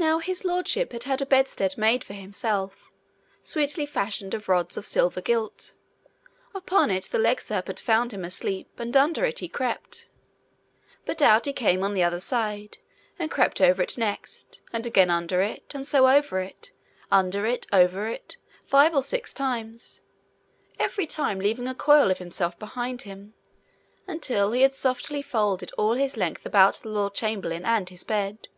Now His Lordship had had a bedstead made for himself, sweetly fashioned of rods of silver gilt: upon it the legserpent found him asleep, and under it he crept. But out he came on the other side, and crept over it next, and again under it, and so over it, under it, over it, five or six times, every time leaving a coil of himself behind him, until he had softly folded all his length about the lord chamberlain and his bed.